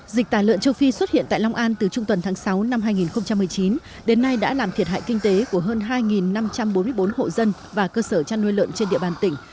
dịch tả lợn châu phi xuất hiện tại long an từ trung tuần tháng sáu năm hai nghìn một mươi chín đến nay đã làm thiệt hại kinh tế của hơn hai năm trăm bốn mươi bốn hộ dân và cơ sở chăn nuôi lợn trên địa bàn tỉnh